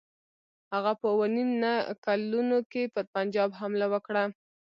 هغه په اووه نیم نه کلونو کې پر پنجاب حمله وکړه.